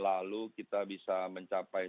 lalu kita bisa mencapai